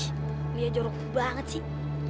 ih dia jorok banget sih